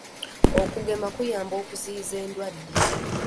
Okugema kuyamba okuziyiza endwadde.